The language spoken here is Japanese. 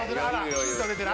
ヒント出てる！